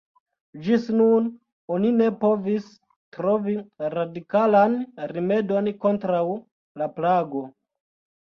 Ĝis nun oni ne povis trovi radikalan rimedon kontraŭ la plago.